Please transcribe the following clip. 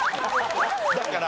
だから。